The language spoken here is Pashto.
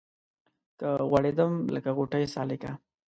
که غوړېدم لکه غوټۍ سالکه